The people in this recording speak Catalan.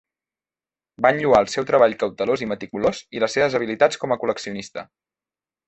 Van lloar el seu treball cautelós i meticulós i les seves habilitats com a col·leccionista.